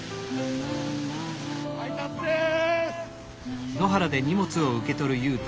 配達です！